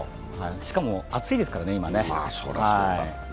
しかも暑いですからね、今ね。